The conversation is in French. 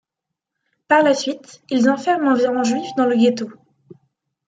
Par la suite, ils enferment environ Juifs dans le ghetto.